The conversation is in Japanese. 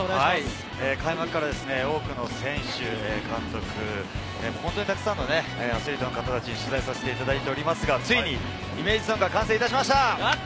開幕から多くの選手・監督に本当にたくさんのアスリートの方たちに取材をさせていただいておりますが、ついにイメージソングが完成いたしました！